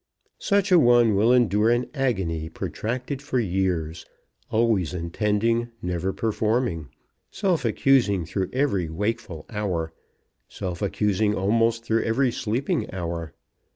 Such a one will endure an agony protracted for years, always intending, never performing, self accusing through every wakeful hour, self accusing almost through every sleeping hour.